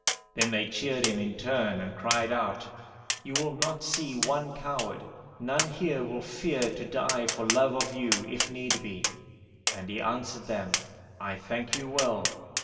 Then they cheered him in turn, and cried out, "'You will not see one coward; none here will fear to die for love of you, if need be.' And he answered them, 'I thank you well.